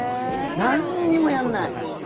なんにもやんない。